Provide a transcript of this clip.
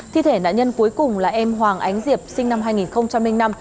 thi thể nạn nhân cuối cùng là em hoàng ánh diệp sinh năm hai nghìn năm